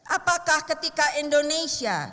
apakah ketika indonesia